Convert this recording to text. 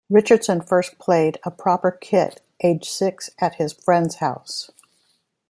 Richardson first played a proper kit aged six at his friends house.